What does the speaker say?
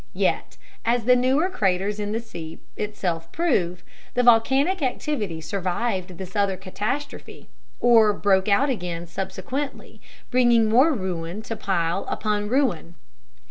Yet, as the newer craters in the sea itself prove, the volcanic activity survived this other catastrophe, or broke out again subsequently, bringing more ruin to pile upon ruin.